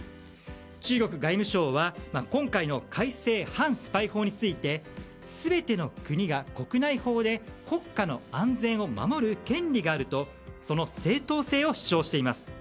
中国外務省は今回の改正反スパイ法について全ての国が国内法で国家の安全を守る権利があるとその正当性を主張しています。